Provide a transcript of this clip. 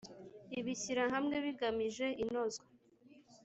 ibishyirahamwe bigamije inozwa